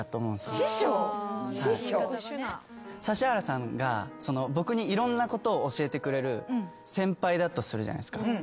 指原さんが僕にいろんなことを教えてくれる先輩だとするじゃないですか。